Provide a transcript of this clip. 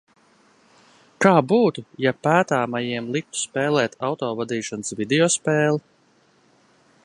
Kā būtu, ja pētāmajiem liktu spēlēt autovadīšanas videospēli?